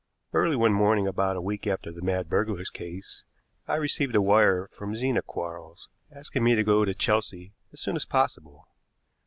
Early one morning about a week after the mad burglar's case, I received a wire from Zena Quarles, asking me to go to Chelsea as soon as possible.